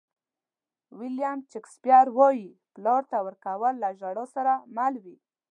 ویلیام شکسپیر وایي پلار ته ورکول له ژړا سره مل وي.